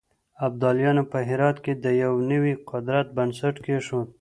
ابدالیانو په هرات کې د يو نوي قدرت بنسټ کېښود.